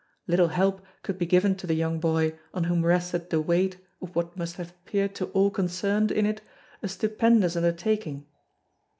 Little help could be given to the young boy on whom rested the weight of what must have appeared to all concerned in it a stupendous undertaking.